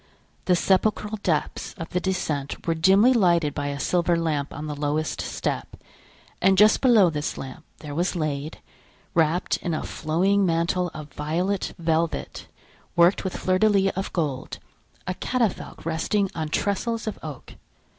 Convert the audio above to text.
The sepulchral depths of the descent were dimly lighted by a silver lamp on the lowest step; and just below this lamp there was laid, wrapped in a flowing mantle of violet velvet, worked with fleurs de lis of gold, a catafalque resting on trestles of oak.